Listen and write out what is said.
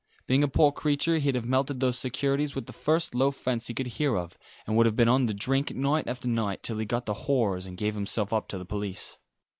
Being a poor creature, he'd have melted those securities with the first low fence he could hear of, and would have been on the drink night after night, till he got the horrors and gave himself up to the police.